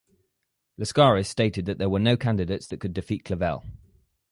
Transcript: Laskaris stated that there were no candidates that could defeat Clavelle.